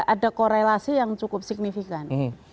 ada korelasi yang cukup signifikan